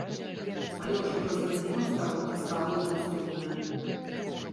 Але ўжо праз гадзіну старонка стала недаступная.